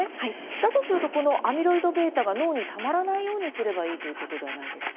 だとするとこのアミロイドβが脳にたまらないようにすればいいということではないですか。